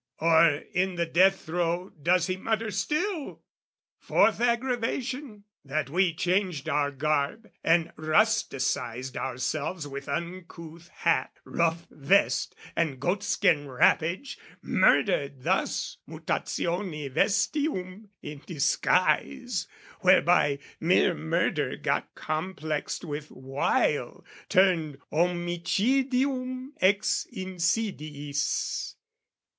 Or in the death throe does he mutter still? Fourth aggravation, that we changed our garb, And rusticised ourselves with uncouth hat, Rough vest and goatskin wrappage; murdered thus Mutatione vestium, in disguise, Whereby mere murder got complexed with wile, Turned homicidium ex insidiis.